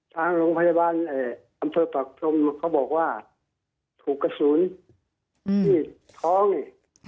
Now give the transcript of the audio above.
ทางโรงพยาบาลเอ่ออำเฟอร์ปากฏมเขาบอกว่าถูกกระสูญอืมท้องเนี้ย